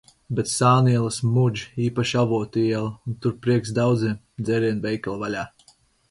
Bet sānielas mudž, īpaši Avotu iela, un tur prieks daudziem - dzērienu veikali vaļā.